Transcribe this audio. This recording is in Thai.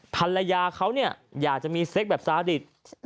ภรรยาเขาอยากจะมีเซ็กแบบซาดิด